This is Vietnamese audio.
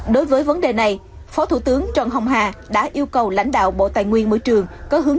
đối với vấn đề này phó thủ tướng trần hồng hà đã yêu cầu lãnh đạo bộ tài nguyên môi trường có hướng